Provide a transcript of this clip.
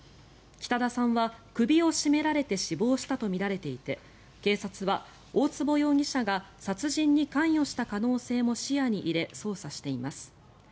北田さんは首を絞められて死亡したとみられていて警察は、大坪容疑者が殺人に関与した可能性も視野に入れ捜査しています。